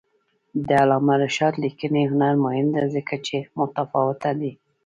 د علامه رشاد لیکنی هنر مهم دی ځکه چې متفاوته دی.